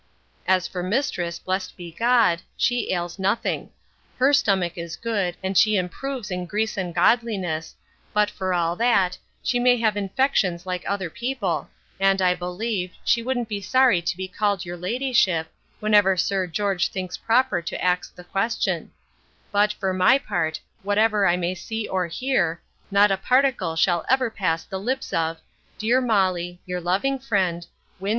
As for mistress, blessed be God, she ails nothing. Her stomick is good, and she improves in grease and godliness; but, for all that, she may have infections like other people, and I believe, she wouldn't be sorry to be called your ladyship, whenever sir George thinks proper to ax the question But, for my part, whatever I may see or hear, not a praticle shall ever pass the lips of, Dear Molly, Your loving friend, WIN.